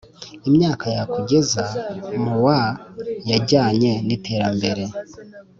Imyaka ya kugeza mu wa yajyanye n iterambere